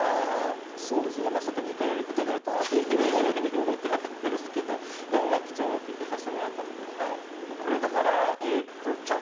そうですねまさか２回やることになるとは夢にも思ってなかったですけどでもまあ貴重な経験させてもらえたのでよかったです。